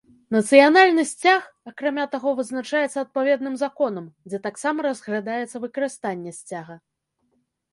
Нацыянальны сцяг, акрамя таго, вызначаецца адпаведным законам, дзе таксама разглядаецца выкарыстанне сцяга.